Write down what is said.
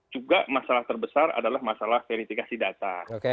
juga masalah terbesar adalah masalah verifikasi data